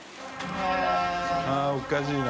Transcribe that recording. あぁおかしいな。